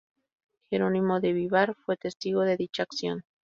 Gerónimo de Vivar fue testigo de dicha acción.